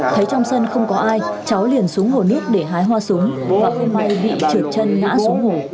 thấy trong sân không có ai cháu liền xuống hồ nước để hái hoa xuống và hôm nay bị trượt chân ngã xuống ồ